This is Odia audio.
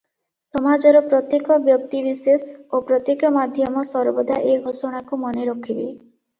ସମାଜର ପ୍ରତ୍ୟେକ ବ୍ୟକ୍ତିବିଶେଷ ଓ ପ୍ରତ୍ୟେକ ମାଧ୍ୟମ ସର୍ବଦା ଏ ଘୋଷଣାକୁ ମନେରଖିବେ ।